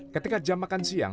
ketika jam makan siang